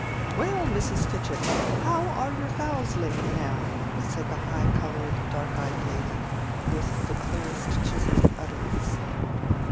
"Well, Mrs. Fitchett, how are your fowls laying now?" said the high colored, dark eyed lady, with the clearest chiselled utterance.